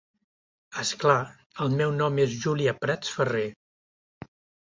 És clar, el meu nom és Júlia Prats Ferrer.